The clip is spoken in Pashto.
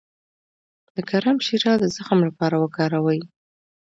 د کرم شیره د زخم لپاره وکاروئ